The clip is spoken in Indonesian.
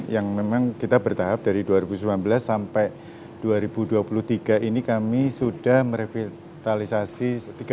yang memang kita bertahap dari dua ribu sembilan belas sampai dua ribu dua puluh tiga ini kami sudah merevitalisasi